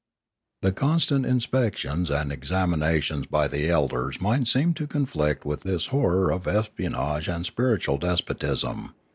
The constant inspections and examinations by the elders might seem to conflict with this horror of espion age and spiritual despotism.